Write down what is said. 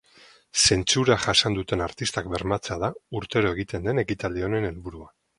Zentsura jasan duten artistak bermatzea da urtero egiten den ekitaldi honen helburua.